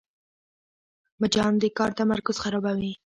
مچان د کار تمرکز خرابوي